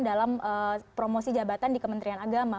dalam promosi jabatan di kementerian agama